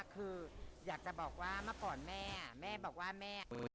คืออยากจะบอกว่าเมื่อก่อนแม่แม่บอกว่าแม่